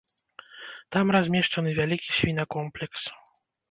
Там размешчаны вялікі свінакомплекс.